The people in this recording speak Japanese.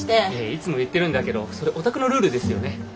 いつも言ってるんだけどそれおたくのルールですよね？